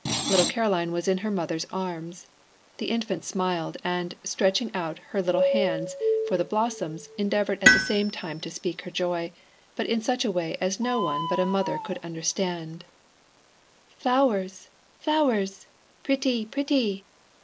Little Caroline was in her mother's arms. The infant smiled, and, stretching out her little hands for the blossoms, endeavored at the same time to speak her joy, but in such a way as no one but a mother could understand: "Flowers! flowers! Pretty! pretty!"